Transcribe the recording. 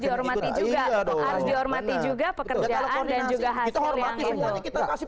harus dihormati juga pekerjaan dan juga hasil yang penuh